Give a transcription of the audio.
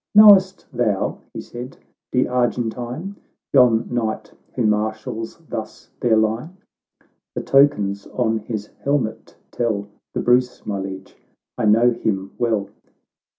" Know'st thou," he said, " De Argentine, Ton knight who marshals thus their line ?"—" The tokens on his helmet tell The Bruce, my Liege : I know him well."